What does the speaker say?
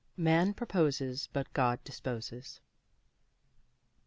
MAN PROPOSES, BUT GOD DISPOSES.